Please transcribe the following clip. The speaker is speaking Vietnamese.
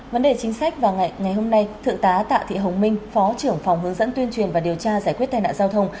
vấn đề chính sách và ngày hôm nay thượng tá tạ thị hồng minh phó trưởng phòng hướng dẫn tuyên truyền và điều tra giải quyết tai nạn giao thông